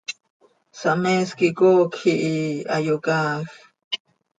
Sahmees quih coocj ihi, hayocaaaj.